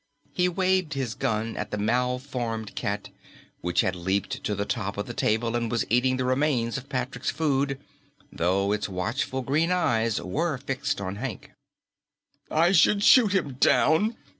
He waved his gun at the malformed cat, which had leaped to the top of the table and was eating the remains of Patrick's food, though its watchful green eyes were fixed on Hank. "I should shoot him down!"